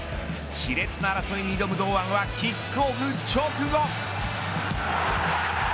し烈な争いに挑む堂安はキックオフ直後。